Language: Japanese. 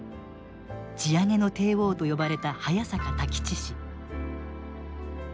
地上げの帝王と呼ばれた早坂太吉氏。